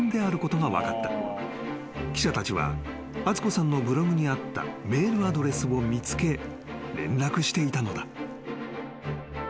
［記者たちは敦子さんのブログにあったメールアドレスを見つけ連絡していたのだ］